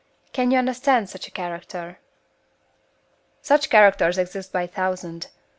Can you understand such a character?" "Such characters exist by thousands.